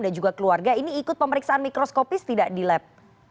dan juga keluarga ini ikut pemeriksaan mikroskopis tidak di lab